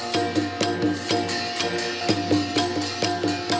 เยี่ยมมาก